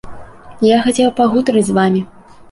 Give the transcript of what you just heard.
Я хацеў пагутарыць з вамі.